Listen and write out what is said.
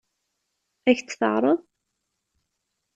Ad k-tt-teɛṛeḍ?